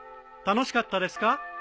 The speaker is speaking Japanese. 楽しかったですか？